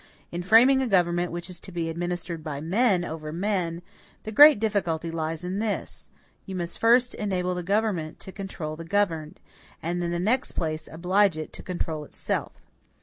In framing a government which is to be administered by men over men, the great difficulty lies in this: you must first enable the government to control the governed; and in the next place oblige it to control itself.